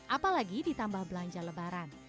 apalagi ditambah belanja lebaran